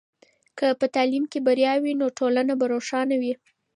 که په تعلیم کې بریا وي، نو ټولنه به روښانه وي.